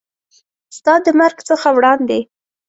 ستا د مرګ څخه وړاندې